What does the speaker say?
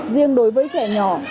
riêng đối với trẻ nhỏ